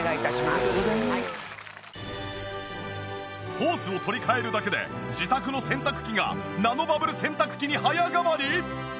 ホースを取り換えるだけで自宅の洗濯機がナノバブル洗濯機に早変わり！？